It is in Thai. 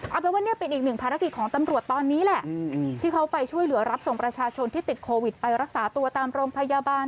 เอาเป็นว่าเนี่ยเป็นอีกหนึ่งภารกิจของตำรวจตอนนี้แหละที่เขาไปช่วยเหลือรับส่งประชาชนที่ติดโควิดไปรักษาตัวตามโรงพยาบาล